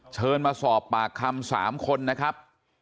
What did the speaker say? เชิญมาสอบปากคำ๓คนนะครับ